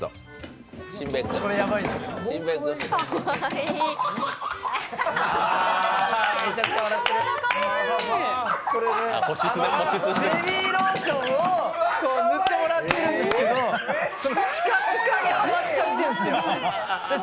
ベビーローションを塗ってもらってるんですけどシュカシュカに笑っちゃってるんですよ。